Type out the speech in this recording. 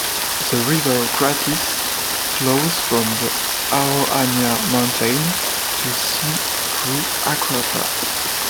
The river Krathis flows from the Aroania mountain to sea through Akrata.